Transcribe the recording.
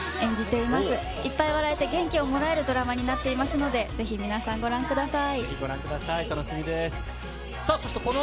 いっぱい笑えて、元気をもらえるドラマになっていますので、ぜひご覧ください。